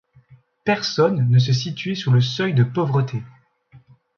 Personne ne se situait sous le seuil de pauvreté.